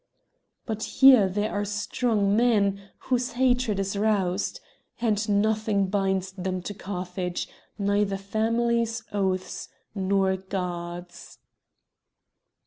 "But here there are strong men whose hatred is roused! and nothing binds them to Carthage, neither families, oaths nor gods!"